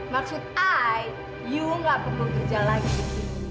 maksud ay kamu tidak perlu bekerja lagi di sini